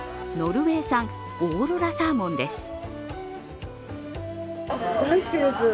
ノルウェー産オーロラサーモンです。